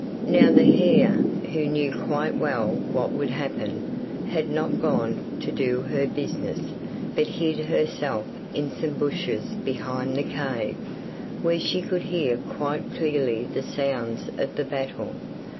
'Now the hare, who knew quite well what would happen, had not gone to do her business, but hid herself in some bushes behind the cave, where she could hear quite clearly the sounds of the battle.